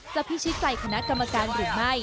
พิชิตใจคณะกรรมการหรือไม่